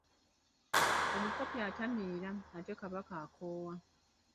Omukopi atamiira ate Kabaka akoowa.